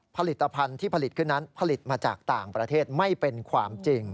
ผลิตภัณฑ์ที่ผลิตขึ้นนั้นผลิตมาจากต่างประเทศไม่เป็นความจริง